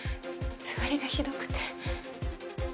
つわりがひどくて。